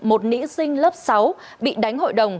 một nữ sinh lớp sáu bị đánh hội đồng